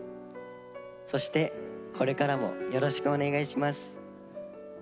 そしてこれからもよろしくお願いします。